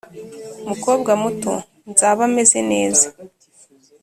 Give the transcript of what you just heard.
"mukobwa muto, nzaba meze neza.